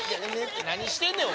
何してんねん！